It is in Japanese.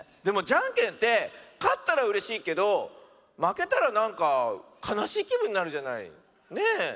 でもじゃんけんってかったらうれしいけどまけたらなんかかなしいきぶんになるじゃない？ねえ。